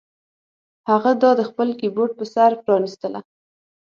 هغه دا د خپل کیبورډ په سر پرانیستله